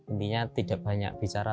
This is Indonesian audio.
intinya tidak banyak bicara